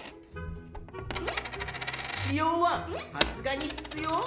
子葉は発芽に必要？